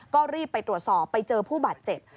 ก็รีบไปตรวจสอบไปเจอผู้บาดเจ็บ